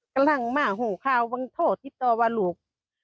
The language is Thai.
กำลังมาห่วงข้าวติดต่อว่าลูก